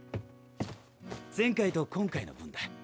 前回と今回の分だ。